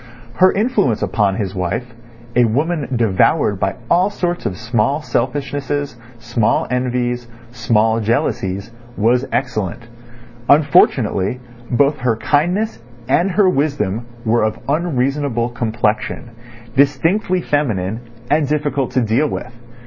Her influence upon his wife, a woman devoured by all sorts of small selfishnesses, small envies, small jealousies, was excellent. Unfortunately, both her kindness and her wisdom were of unreasonable complexion, distinctly feminine, and difficult to deal with.